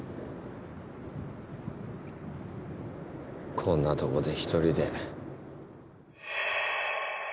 こんなとこで１人で。